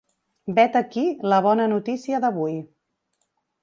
Vet aquí la bona notícia d’avui.